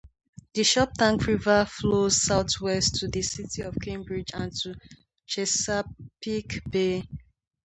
The Choptank River flows southwest to the city of Cambridge and to Chesapeake Bay.